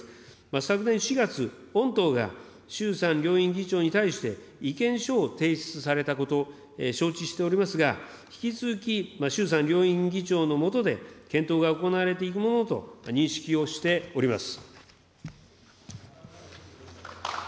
昨年４月、御党が衆参両院議長に対して、意見書を提出されたこと、承知しておりますが、引き続き衆参両院議長の下で検討が行われていくものと認識をしております。